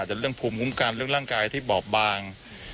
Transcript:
แต่เรื่องภูมิคุ้มกันเรื่องร่างกายที่บอบบาง